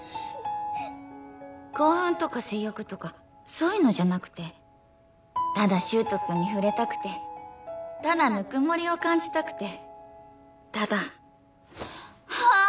興奮とか性欲とかそういうのじゃなくてただ柊人君に触れたくてただぬくもりを感じたくてただあん